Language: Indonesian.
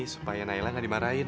supaya nailah gak dimarahin